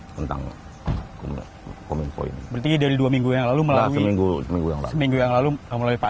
tentang menko minfo ini berarti dari dua minggu yang lalu melalui seminggu yang lalu melalui pak